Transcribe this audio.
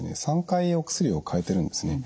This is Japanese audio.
３回お薬をかえてるんですね。